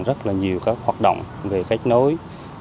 rất nhiều các hoạt động về cách nối